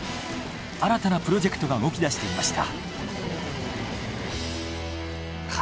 新たなプロジェクトが動き出していました。